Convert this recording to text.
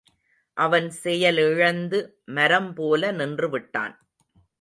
அவன் செயலிழந்து மரம் போல நின்று விட்டான்.